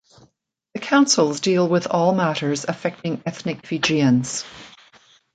The councils deal with all matters affecting ethnic Fijians.